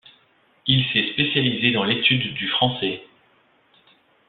Il s'est spécialisé dans l’étude du français.